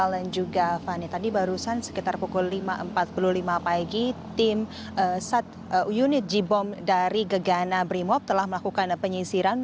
dan juga fani tadi barusan sekitar pukul lima empat puluh lima pagi tim unit jibom dari gegana brimob telah melakukan penyisiran